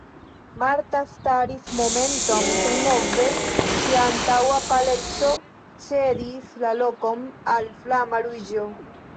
Marta staris momenton senmove, ŝia antaŭa paleco cedis la lokon al flama ruĝo.